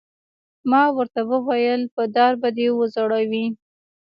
ما ورته وویل: په دار به دې وځړوي.